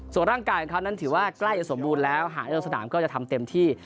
ส่วนร่างกายของเขานั้นถือว่าใกล้จะสมบูรณ์แล้วหากลงสนามก็จะทำเต็มที่